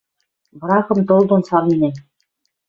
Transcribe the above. Врагым тыл дон саленӓм.